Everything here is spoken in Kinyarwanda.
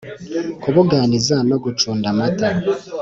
kubuganiza no gucunda amata